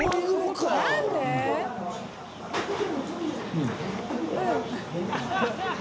「うん」。